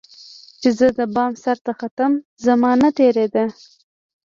چي زه دبام سرته ختمه، زمانه تیره ده